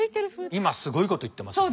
今すごいこと言ってますよね。